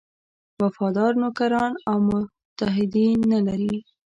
وفادار نوکران او متحدین نه لري.